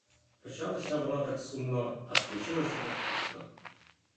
Почалося воно так сумно, а скінчилося так пишно.